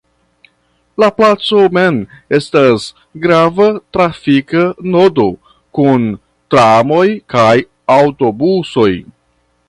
La placo mem estas grava trafika nodo kun tramoj kaj aŭtobusoj.